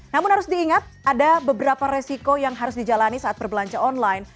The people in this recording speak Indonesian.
namun harus diingat ada beberapa resiko yang harus dijalani saat berbelanja online